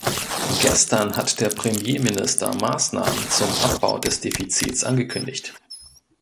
Gestern hat der Premierminister Maßnahmen zum Abbau des Defizits angekündigt.